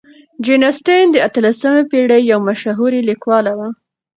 جین اسټن د اتلسمې پېړۍ یو مشهورې لیکواله وه.